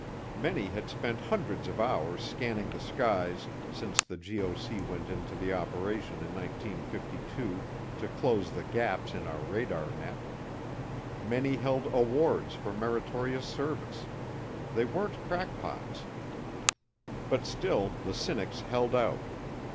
Many had spent hundreds of hours scanning the skies since the GOC went into the operation in 1952 to close the gaps in our radar net. Many held awards for meritorious service. They weren't crackpots. But still the cynics held out.